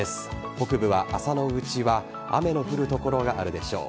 北部は朝のうちは雨の降る所があるでしょう。